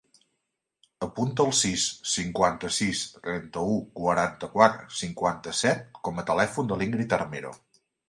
Apunta el sis, cinquanta-sis, trenta-u, quaranta-quatre, cinquanta-set com a telèfon de l'Íngrid Armero.